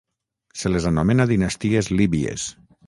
Se les anomena dinasties líbies.